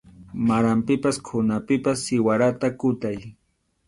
Maranpipas qhunapipas siwarata kutay.